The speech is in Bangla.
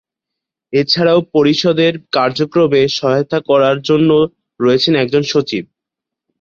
এছাড়াও পরিষদের কার্যক্রমে সহায়তা করার জন্য রয়েছেন একজন সচিব।